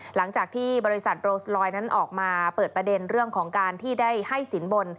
หลังจากที่บริษัทโรสลอยนั้นออกมาเปิดประเด็นเรื่องของการที่ได้ให้สินบน